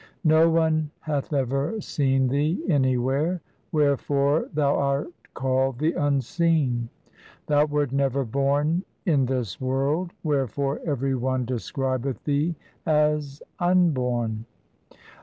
No one hath ever seen Thee anywhere ; Wherefore Thou art called the Unseen. Thou wert never born in the world ; 1 Wherefore every one describeth Thee as Unborn.